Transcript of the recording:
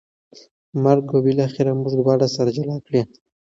مرګ به بالاخره موږ دواړه سره جلا کړي